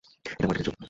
এটা মার্টিনের ছবি।